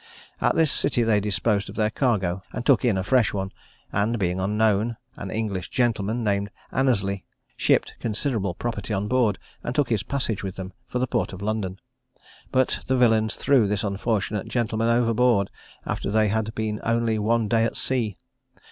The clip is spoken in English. At this city they disposed of their cargo, and took in a fresh one; and being unknown, an English gentleman, named Annesley, shipped considerable property on board, and took his passage with them for the port of London; but the villains threw this unfortunate gentleman overboard, after they had been only one day at sea.